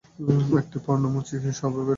এটি পর্ণমোচী স্বভাবের।